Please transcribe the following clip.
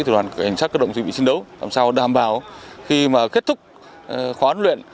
từ đoàn cảnh sát cơ động diễn bị chiến đấu làm sao đảm bảo khi mà kết thúc khó huấn luyện